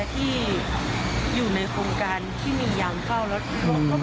ที่อยู่ในโครงการที่มีย้ำเข้า